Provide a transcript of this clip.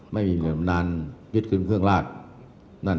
ไม่มีเหมือนนั้นยึดขึ้นเครื่องราช